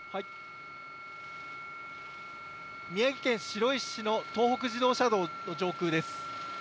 宮城県白石市の東北自動車道の上空です。